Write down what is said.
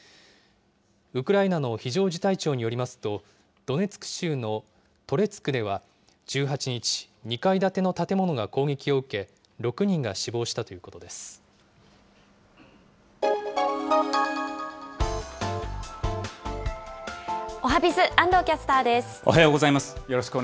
ウクライナの非常事態庁によりますと、ドネツク州のトレツクでは１８日、２階建ての建物が攻撃を受け、６人が死亡したということおはＢｉｚ、安藤キャスターおはようございます。